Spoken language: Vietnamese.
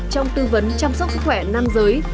trong tư vấn chăm sóc sức khỏe nam giới